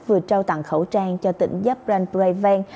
vừa trao tặng khẩu trang cho tỉnh giáp rang